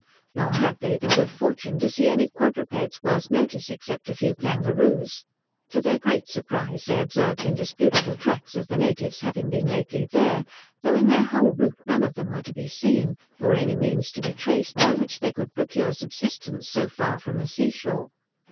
Nor had they the good fortune to see any quadrupeds worth notice, except a few kangaroos. To their great surprize, they observed indisputable tracks of the natives having been lately there, though in their whole route none of them were to be seen; nor any means to be traced, by which they could procure subsistence so far from the sea shore.